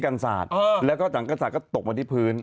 แล้วก็ตั้งกันสาตว์ก็ตกมาที่พื้น